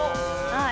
はい。